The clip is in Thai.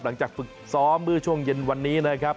หลังจากฝึกซ้อมเมื่อช่วงเย็นวันนี้นะครับ